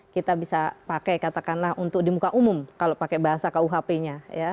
kita bisa pakai katakanlah untuk di muka umum kalau pakai bahasa kuhp nya